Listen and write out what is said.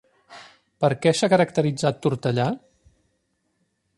Per què s'ha caracteritzat Tortellà?